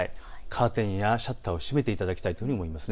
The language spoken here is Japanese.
カーテンやシャッターを閉めていただきたいと思います。